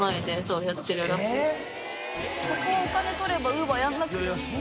ここをお金取ればウーバーやらなくても。